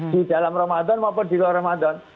di dalam ramadan maupun di luar ramadan